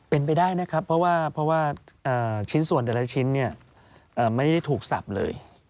เป็นไปได้นะครับเพราะว่าชิ้นส่วนแต่ละชิ้นไม่ได้ถูกสับเลย